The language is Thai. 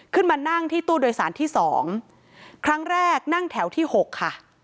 ขึ้นมานั่งที่ตู้โดยสารที่สองครั้งแรกนั่งแถวที่หกค่ะ